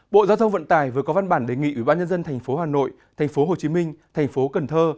bộ giao thông vận tài vừa có văn bản đề nghị ủy ban nhân dân tp hà nội tp hồ chí minh tp cần thơ